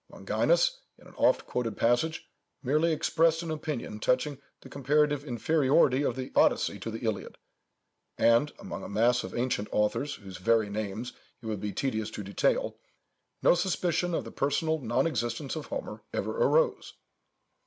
Longinus, in an oft quoted passage, merely expressed an opinion touching the comparative inferiority of the Odyssey to the Iliad, and, among a mass of ancient authors, whose very names it would be tedious to detail, no suspicion of the personal non existence of Homer ever arose.